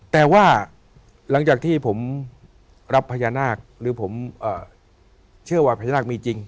แต่ว่าหลังจากที่ผมรับพญานาคหรือผมเชื่อว่าพญานาคมีจริง